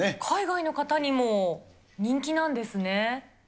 海外の方にも人気なんですね。